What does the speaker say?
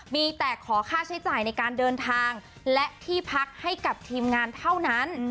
มีแต่ขอค่าใช้จ่ายในการเดินทางและที่พักให้กับทีมงานเท่านั้น